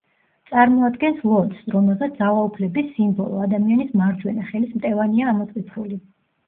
წარმოადგენს ლოდს რომელზეც ძალაუფლების სიმბოლო, ადამიანის მარჯვენა ხელის მტევანია ამოტვიფრული.